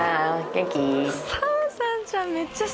元気？